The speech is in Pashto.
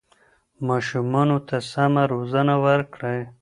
ماشومانو ته سمه روزنه ورکړئ.